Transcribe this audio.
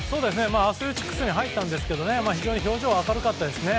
アスレチックスに入ったんですが非常に表情は明るかったですね。